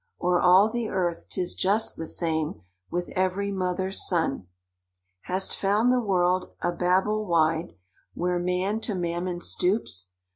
O'er all the earth 'tis just the same With every mother's son! "Hast found the world a Babel wide, Where man to mammon stoops?